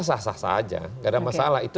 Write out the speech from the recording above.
sah sah saja gak ada masalah itu